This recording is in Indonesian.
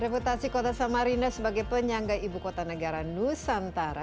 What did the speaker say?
reputasi kota samarinda sebagai penyangga ibu kota negara nusantara